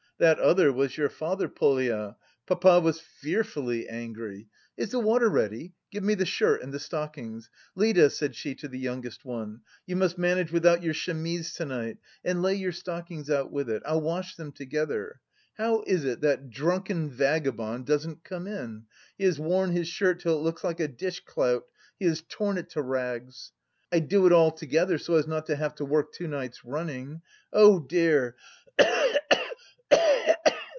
That other was your father, Polya; papa was fearfully angry.... Is the water ready? Give me the shirt, and the stockings! Lida," said she to the youngest one, "you must manage without your chemise to night... and lay your stockings out with it... I'll wash them together.... How is it that drunken vagabond doesn't come in? He has worn his shirt till it looks like a dish clout, he has torn it to rags! I'd do it all together, so as not to have to work two nights running! Oh, dear!